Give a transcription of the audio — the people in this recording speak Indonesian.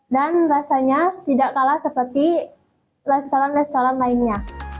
dan rasanya tidak kalah seperti restaurant restaurant lainnya